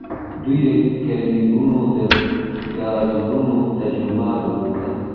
دوی د کیبلونو د ګوزارونو تجربه درلوده.